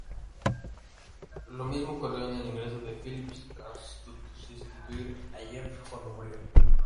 Lo mismo ocurrió con el ingreso de Phillips, tras sustituir a Jeff cuando murió.